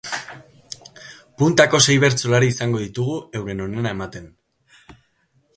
Puntako sei bertsolari izango ditugu euren onena ematen.